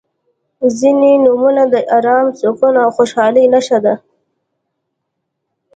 • ځینې نومونه د ارام، سکون او خوشحالۍ نښه ده.